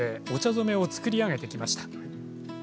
染めを作り上げてきました。